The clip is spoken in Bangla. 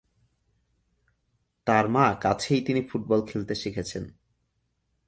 তার মা কাছেই তিনি ফুটবল খেলতে শিখেছেন।